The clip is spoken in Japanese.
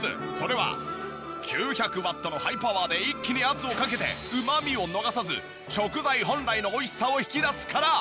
９００ワットのハイパワーで一気に圧をかけてうまみを逃さず食材本来の美味しさを引き出すから！